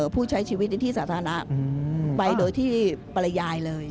ผู้ใช้ชีวิตในที่สาธารณะไปโดยที่ปริยายเลย